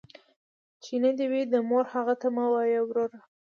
ـ چې نه دې وي، د موره هغه ته مه وايه وروره.